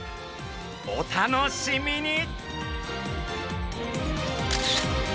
お楽しみに！